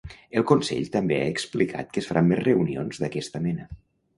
El consell també ha explicat que es faran més reunions d’aquesta mena.